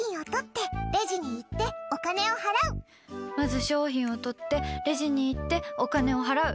まず商品を取ってレジに行ってお金を払う。